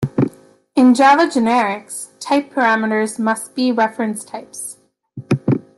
In Java Generics, type parameters must be reference types.